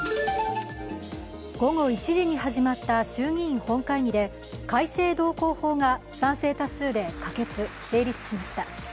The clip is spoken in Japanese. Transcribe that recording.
午後１時に始まった衆議院本会議で改正道交法が賛成多数で可決・成立しました。